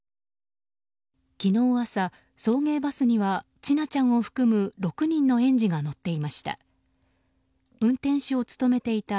昨日朝、送迎バスには千奈ちゃんを含む６人の園児が乗っていました。